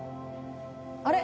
あれ？